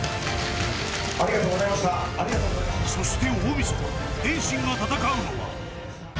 ［そして大晦日天心が戦うのは］